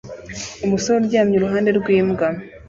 Umusore uryamye iruhande rwimbwa